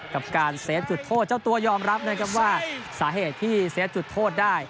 กับการเซฟจุดโทษเจ้าตัวยอมรับนะครับว่าสาเหตุที่เซฟจุดโทษได้